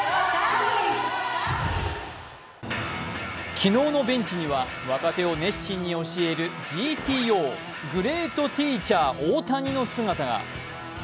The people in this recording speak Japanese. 昨日のベンチには若手を熱心に教えるＧＴＯ、グレートティーチャー大谷の姿が。